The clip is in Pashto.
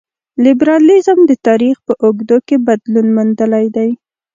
لېبرالیزم د تاریخ په اوږدو کې بدلون موندلی دی.